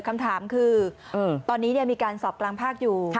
คำถามคือตอนนี้มีการสอบกลางภาคอยู่